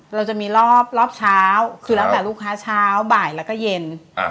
เราจะมีรอบรอบเช้าคือแล้วแต่ลูกค้าเช้าบ่ายแล้วก็เย็น